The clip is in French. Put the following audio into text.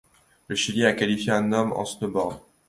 Le Chili a qualifié un homme en snowboard.